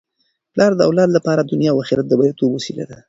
پلار د اولاد لپاره د دنیا او اخرت د بریالیتوب وسیله ده.